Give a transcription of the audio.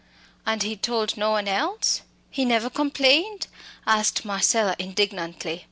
"And he told no one else? he never complained?" asked Marcella, indignantly.